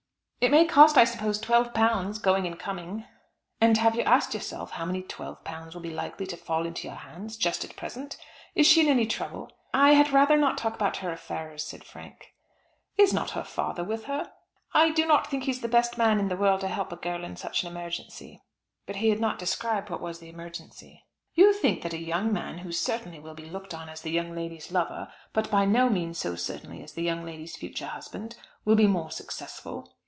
"It may cost I suppose twelve pounds, going and coming." "And have you asked yourself how many twelve pounds will be likely to fall into your hands just at present? Is she in any trouble?" "I had rather not talk about her affairs," said Frank. "Is not her father with her?" "I do not think he is the best man in the world to help a girl in such an emergency." But he had not described what was the emergency. "You think that a young man, who certainly will be looked on as the young lady's lover, but by no means so certainly as the young lady's future husband, will be more successful?"